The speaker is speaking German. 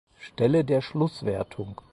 Stelle der Schlusswertung.